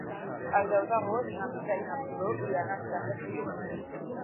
El deu d'agost na Mira i na Rosó iran als Plans de Sió.